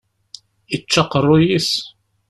Ičča aqeṛṛuy-is?